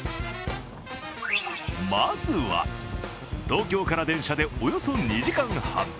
まずは、東京から電車でおよそ２時間半。